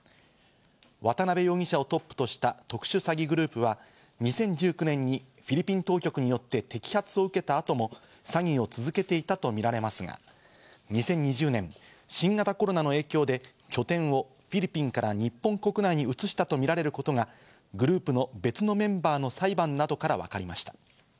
渡辺容疑者をトップとした特殊詐欺グループは、２０１９年にフィリピン当局によって摘発を受けた後も詐欺を続けていたとみられますが、２０２０年、新型コロナの影響で拠点をフィリピンから日本国内に移したとみられることがグループの別のメンバーの裁判などから分かりました。